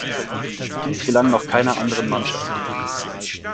Dies gelang noch keiner anderen Mannschaft.